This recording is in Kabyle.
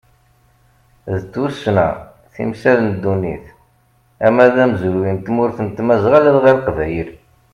D tussna, timsal n ddunit ama d amezruy n tmurt n tmazɣa ladɣa leqbayel.